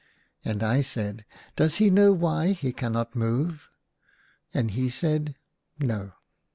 And I said, " Does he know why he cannot move ?" Arid he said, " No."